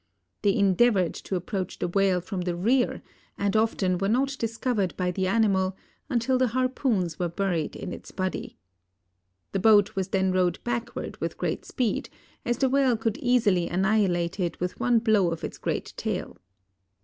They endeavored to approach the whale from the rear and often were not discovered by the animal until the harpoons were buried in its body. The boat was then rowed backward with great speed, as the whale could easily annihilate it with one blow of its great tail.